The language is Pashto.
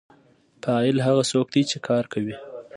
فاعل هغه څوک دی چې کار کوي.